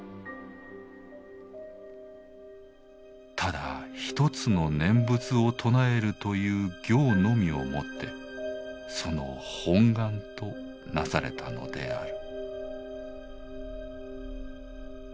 ただ一つの念仏を称えるという行のみをもってその本願となされたのである」。